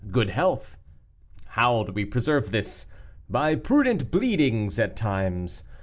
Good health. How do we preserve this? By prudent bleedings at times.